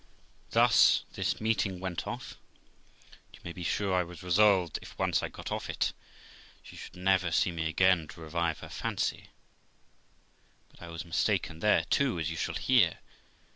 Thus this meeting went off, and, you may be sure, I was resolved, if once I got off of it, she should never see me again to revive her fancy; but I was mistaken there too, as you shall hear.